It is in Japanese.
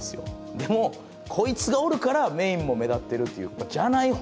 でもこいつがおるからメインも目立ってるというかじゃない方